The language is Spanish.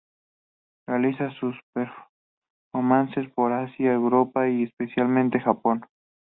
Realizaron sus performances por Asia, Europa y especialmente Japón.